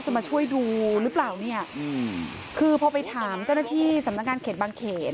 มาช่วยดูหรือเปล่าเนี่ยคือพอไปถามเจ้าหน้าที่สำนักงานเขตบางเขน